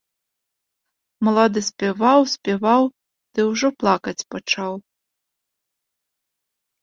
Малады спяваў, спяваў, ды ўжо плакаць пачаў.